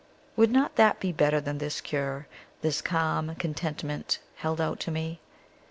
Would not that be better than this cure this calm contentment held out to me?